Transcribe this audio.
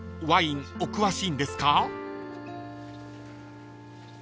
ワインお詳しいんですか？］